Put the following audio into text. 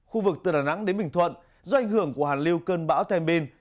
khu vực từ đà nẵng đến bình thuận do ảnh hưởng của hàn lưu cơn bão thêm pin